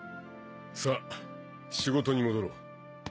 さあ仕事に戻ろう。